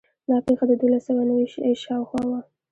دا پېښه د دولس سوه نوي شاوخوا وه.